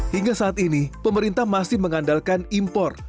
hingga saat ini pemerintah masih mengandalkan impor